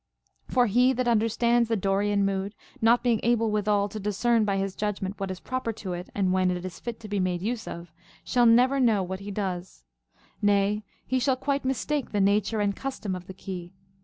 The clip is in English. For he that understands the Dorian mood, not being able withal to dis cern by his judgment what is proper to it and when it is fit to be made use of, shall never know what he does ; nay, he shall quite mistake the nature and custom of the key.